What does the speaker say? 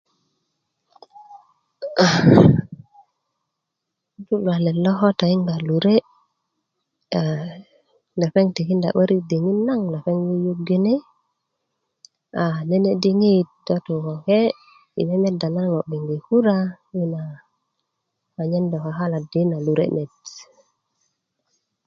aa ŋutú luwaket lo ko toyinga lure a lepeŋ tikinda 'barik diŋit naŋ lepeŋ yuyugiri a nene diŋit ta tu koke i memeda na ŋo gbe kuraa a nyen dó kakaladu i na lure net